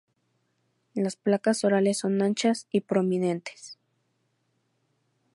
Las placas orales son anchas y prominentes.